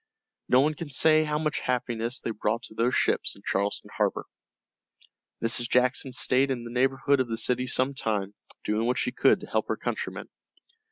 No one can say how much happiness they brought to those ships in Charleston harbor. Mrs. Jackson stayed in the neighborhood of the city some time, doing what she could to help her countrymen.